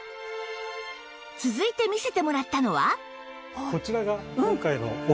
続いて見せてもらったのは